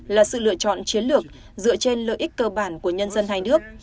là sự lựa chọn chiến lược dựa trên lợi ích cơ bản của nhân dân hai nước